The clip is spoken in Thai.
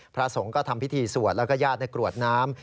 พระสงฆ์ก็ทำพิธีสวดแล้วก็ญาติในกรวดน้ำ